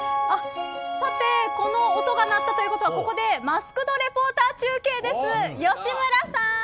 さて、この音が鳴ったということはここでマスクド・レポーター中継です。